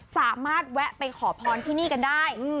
สามารถแวะไปขอพรที่นี่กันได้